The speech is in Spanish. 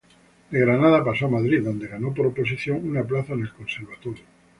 De Granada pasó a Madrid, donde ganó por oposición una plaza en el conservatorio.